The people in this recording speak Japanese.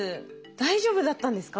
大丈夫だったんですか？